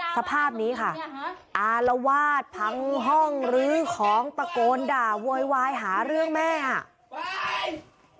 สภาพนี้ค่ะอารวาสพังห้องลื้อของตะโกนด่าโวยวายหาเรื่องแม่อ่ะ